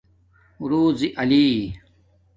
رُزݵ علی